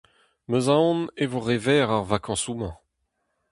'M eus aon e vo re verr ar vakañsoù-mañ !